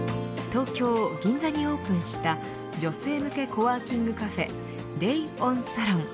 東京、銀座にオープンした女性向けコワーキングカフェＤＡＹＯＮＳＡＬＯＮ。